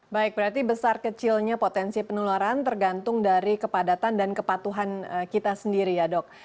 baik berarti besar kecilnya potensi penularan tergantung dari kepadatan dan kepatuhan kita sendiri ya dok